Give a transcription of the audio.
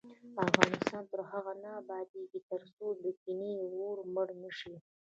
افغانستان تر هغو نه ابادیږي، ترڅو د کینې اور مړ نشي.